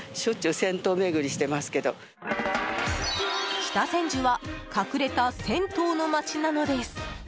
北千住は隠れた銭湯の街なのです。